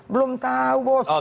belum tahu bos